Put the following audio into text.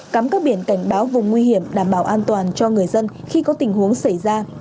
cắm các biển cảnh báo vùng nguy hiểm đảm bảo an toàn cho người dân khi có tình huống xảy ra